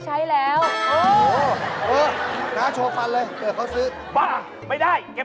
ชอบไง